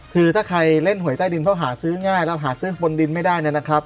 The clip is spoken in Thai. คือถ้าใครเล่นหวยใต้ดินเพราะหาซื้อง่ายเราหาซื้อบนดินไม่ได้เนี่ยนะครับ